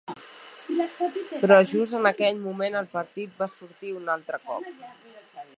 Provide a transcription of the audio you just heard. Però just en aquell moment el partit va sortir un altre cop.